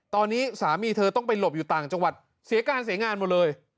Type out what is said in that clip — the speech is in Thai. ตอนนี้สามีเธอต้องไปหลบอยู่ต่างจังหวัดเสียการเสียงานหมดเลย